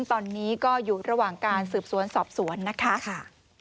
ตอนนี้ก็อยู่ระหว่างการสืบสวนสอบสวนนะคะ